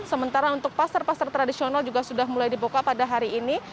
sementara untuk pasar pasar tradisional juga sudah mulai dibuka pada hari ini